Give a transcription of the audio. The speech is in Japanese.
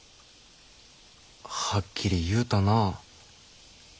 はっきり言うたなあ。